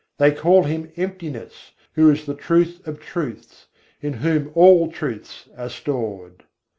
They call Him Emptiness who is the Truth of truths, in Whom all truths are stored!